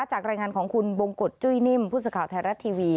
จากรายงานของคุณบงกฎจุ้ยนิ่มผู้สื่อข่าวไทยรัฐทีวี